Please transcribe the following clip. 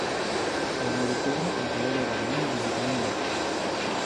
El nou d'octubre na Clàudia vol anar a visitar mon oncle.